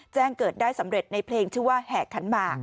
แจ้งเกิดได้สำเร็จในเพลงชื่อว่าแห่ขันหมาก